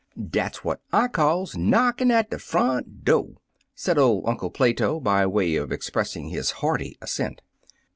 "Dat what I calls knockin' at de front doV' said old Uncle Plato, by way of ex pressing his hearty assent.